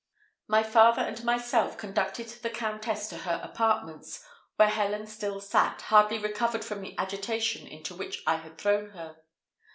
My father and myself conducted the Countess to her apartments, where Helen still sat, hardly recovered from the agitation into which I had thrown her.